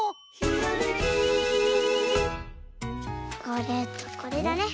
これとこれだね。